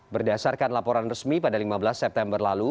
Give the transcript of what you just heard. berdasarkan laporan resmi pada lima belas september lalu